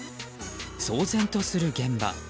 騒然とする現場。